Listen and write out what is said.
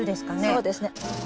そうですね。